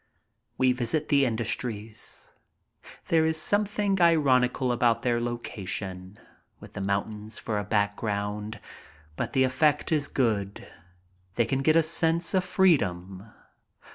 We visit the industries. There is something ironical about their location with the mountains for a background, but the effect is good, they can get a sense of freedom.